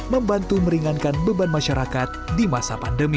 membantu meringankan beban masyarakat di masa pandemi